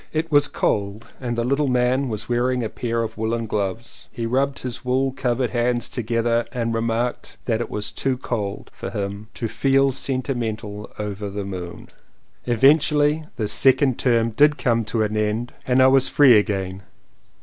It was cold and the little man was wearing a pair of woolen gloves. He rubbed his wool covered hands together and remarked that it was too cold for him "to feel sentimental over the moon!" Eventually this second term did come to an end and I was free again.